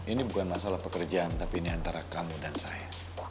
ini bukan masalah pekerjaan tapi ini antara kamu dan saya